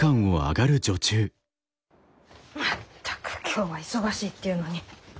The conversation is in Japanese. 全く今日は忙しいっていうのに。